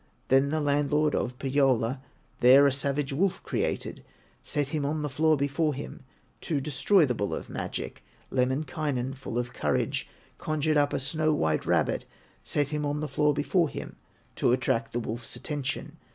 Then the landlord of Pohyola There a savage wolf created, Set him on the floor before him To destroy the bull of magic. Lemminkainen, full of courage, Conjured up a snow white rabbit, Set him on the floor before him To attract the wolf's attention.